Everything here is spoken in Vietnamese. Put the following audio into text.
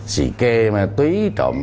xì kê tuý trộm